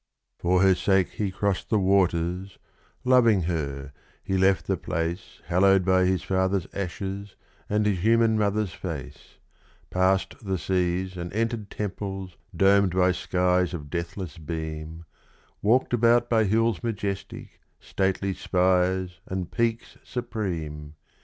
For her sake he crossed the waters loving her, he left the place Hallowed by his father's ashes, and his human mother's face Passed the seas and entered temples domed by skies of deathless beam, Walled about by hills majestic, stately spires and peaks supreme!